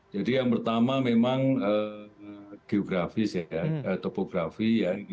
jadi yang pertama memang geografis ya topografi